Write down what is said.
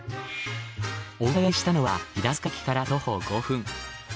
お伺いしたのは平塚駅から徒歩５分